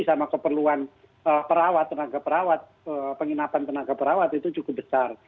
sama keperluan perawat tenaga perawat penginapan tenaga perawat itu cukup besar